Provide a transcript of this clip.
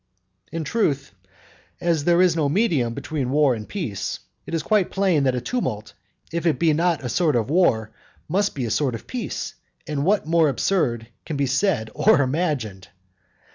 In truth, as there is no medium between war and peace, it is quite plain that a tumult, if it be not a sort of war, must be a sort of peace; and what more absurd can be said or imagined?